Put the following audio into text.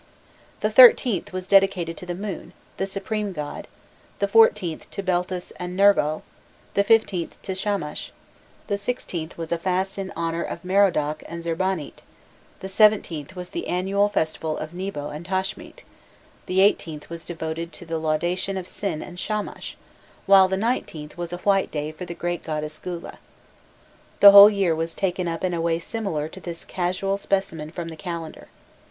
The 13th was dedicated to the moon, the supreme god; the 14th to Beltis and Nergal; the 15th to Shamash; the 16th was a fast in honour of Merodach and Zirbanit; the 17th was the annual festival of Nebo and Tashmit; the 18th was devoted to the laudation of Sin and Shamash; while the 19th was a "white day" for the great goddess Gula. The whole year was taken up in a way similar to this casual specimen from the calendar.